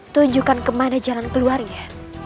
tunjukkan ke mana jalan keluarga